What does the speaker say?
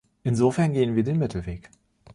Insofern gehen wir den Mittelweg.